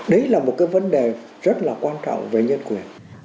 đấy là một cái vấn đề rất là quan trọng về nhân quyền